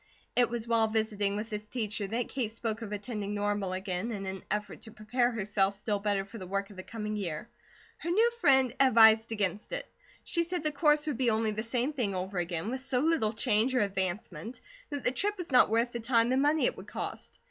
It was while visiting with this teacher that Kate spoke of attending Normal again in an effort to prepare herself still better for the work of the coming year. Her new friend advised against it. She said the course would be only the same thing over again, with so little change or advancement, that the trip was not worth the time and money it would cost.